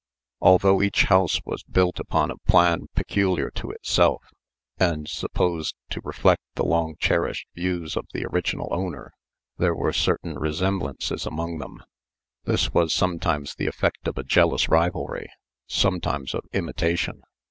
Although each house was built upon a plan peculiar to itself, and supposed to reflect the long cherished views of the original owner, there were certain resemblances among them. This was sometimes the effect of a jealous rivalry; sometimes of imitation.